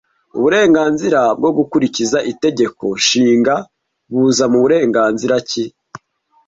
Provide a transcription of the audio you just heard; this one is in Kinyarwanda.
Uburenganzira bwo gukurikiza Itegeko Nshinga buza mu burenganzira ki